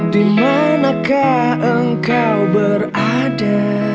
di manakah engkau berada